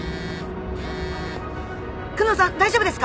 久能さん大丈夫ですか？